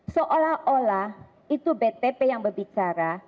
seolah olah itu btp yang berbicara